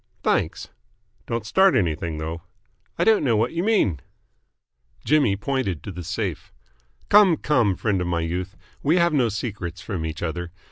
"Thanks." "Don't start anything, though." "I don't know what you mean." Jimmy pointed to the safe. "Come, come, friend of my youth. We have no secrets from each other.